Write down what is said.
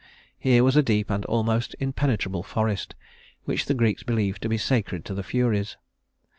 Here was a deep and almost impenetrable forest, which the Greeks believed to be sacred to the Furies.